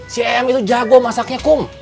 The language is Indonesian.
si em itu jago masaknya kum